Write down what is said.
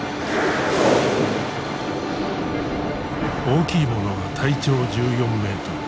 大きいものは体長１４メートル。